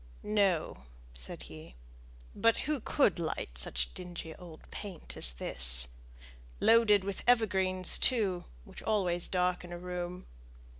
"No," said he; "but who could light such dingy old paint as this, loaded with evergreens, too, which always darken a room?"